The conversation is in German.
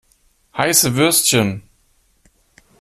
Heiße Würstchen!